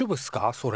それ。